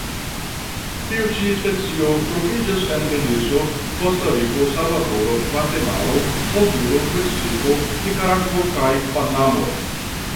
Tiu ĉi specio troviĝas en Belizo, Kostariko, Salvadoro, Gvatemalo, Honduro, Meksiko, Nikaragvo kaj Panamo.